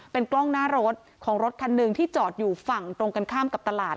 เป็นกล้องหน้ารถของรถคันหนึ่งที่จอดอยู่ฝั่งตรงกันข้ามกับตลาด